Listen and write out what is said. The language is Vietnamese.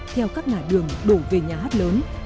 theo các ngã đường đổ về nhà hát lớn